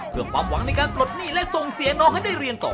เพื่อความหวังในการปลดหนี้และส่งเสียน้องให้ได้เรียนต่อ